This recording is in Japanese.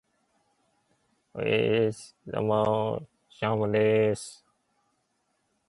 ｵｨｨｨｨｨｨｯｽ!どうもー、シャムでーす。